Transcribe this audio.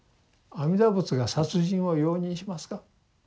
阿弥陀仏が殺人を容認しますか。